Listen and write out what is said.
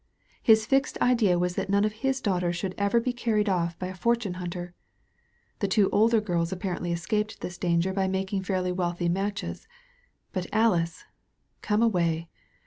His fixed idea was that none of his daughters should ever be carried oflP by a fortune hunter. The two older girls apparently escaped this danger by making fairly wealthy matches. But AUce — come away!